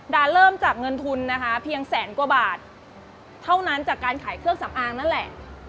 เริ่มจากเงินทุนนะคะเพียงแสนกว่าบาทเท่านั้นจากการขายเครื่องสำอางนั่นแหละ